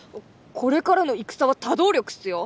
これからの戦は多動力っすよ！